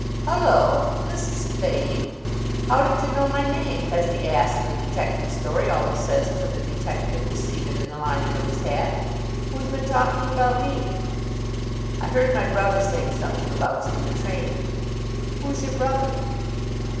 "Hullo, this is fame. How did you know my name, as the ass in the detective story always says to the detective, who's seen it in the lining of his hat? Who's been talking about me?" "I heard my brother saying something about you in the train." "Who's your brother?"